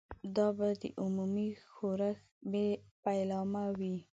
دا به د عمومي ښورښ پیلامه وي.